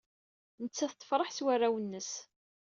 Nettat tefreḥ s warraw-nnes.